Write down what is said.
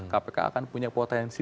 kpk akan punya potensi